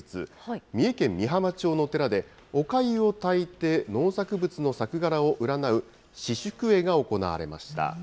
三重県御浜町の寺で、おかゆを炊いて農作物の作柄を占う、試粥会が行われました。